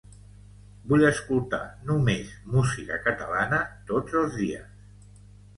Vull escoltar només música catalana tots els dies.